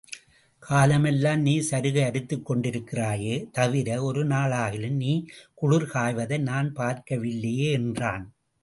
காலமெல்லாம் நீ சருகு அரித்துக் கொண்டிருக்கிறாயே தவிர, ஒருநாளாகிலும் நீ குளிர்காய்வதை நான் பார்க்கவில்லையே! என்றான்.